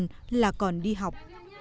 kham mon là còn đi học